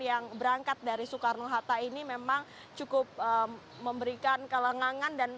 yang berangkat dari soekarno hatta ini memang cukup memberikan kelengangan